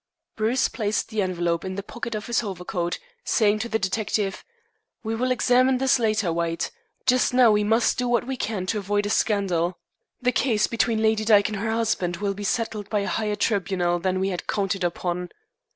Bruce placed the envelope in the pocket of his overcoat, saying to the detective: "We will examine this later, White. Just now we must do what we can to avoid a scandal. The case between Lady Dyke and her husband will be settled by a higher tribunal than we had counted upon."